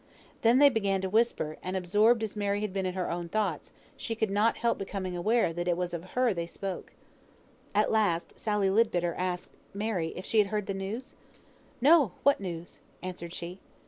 Then they began to whisper; and, absorbed as Mary had been in her own thoughts, she could not help becoming aware that it was of her they spoke. At last Sally Leadbitter asked Mary if she had heard the news? "No! What news?" answered she.